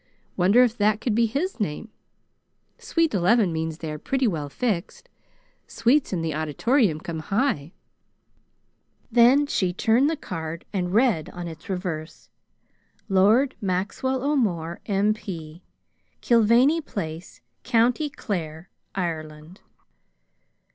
Wonder if that could be his name? 'Suite Eleven' means that you are pretty well fixed. Suites in the Auditorium come high." Then she turned the card and read on its reverse, Lord Maxwell O'More, M. P., Killvany Place, County Clare, Ireland.